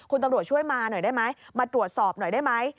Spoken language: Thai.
คุณตำรวจช่วยมาหน่อยได้ไหมมาตรวจสอบหน่อยได้ไหม